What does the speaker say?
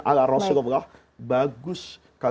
ala rasulullah bagus sekali